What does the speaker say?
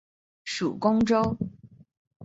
属恭州。